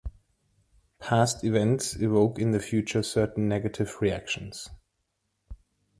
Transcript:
Past events evoke in the future certain negative reactions.